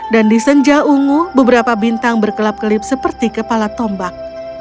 dan di senja ungu beberapa bintang berkelap kelip seperti kepala tombak